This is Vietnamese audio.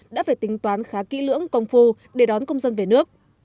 đã phải tính toán khá kỹ lưỡng công phu để đón công dân về nước